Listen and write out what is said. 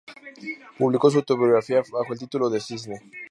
Publicó su autobiografía bajo el título de "Cisne.